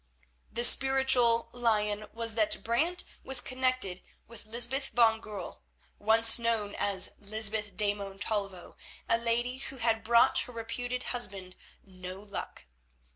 The spiritual lion was that Brant was connected with Lysbeth van Goorl, once known as Lysbeth de Montalvo, a lady who had brought her reputed husband no luck.